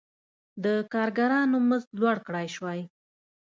د کارګرانو مزد لوړ کړی وای.